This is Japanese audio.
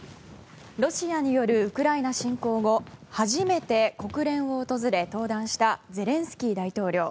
ロシアによるウクライナ侵攻後初めて国連を訪れ、登壇したゼレンスキー大統領。